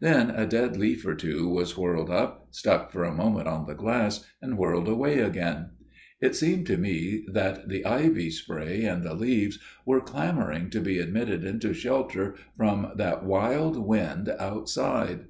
Then a dead leaf or two was whirled up, stuck for a moment on the glass, and whirled away again. It seemed to me that the ivy spray and the leaves were clamouring to be admitted into shelter from that wild wind outside.